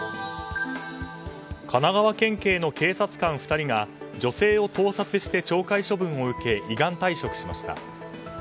神奈川県警の警察官２人が女性を盗撮して懲戒処分を受け依願退職しました。